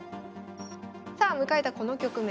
さあ迎えたこの局面